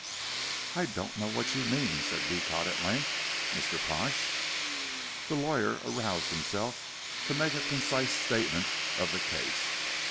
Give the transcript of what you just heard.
"I don't know what you mean," said Beecot at length, "Mr. Pash?" The lawyer aroused himself to make a concise statement of the case.